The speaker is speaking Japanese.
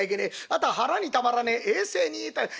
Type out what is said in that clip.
あと腹にたまらねえ衛生にいいという。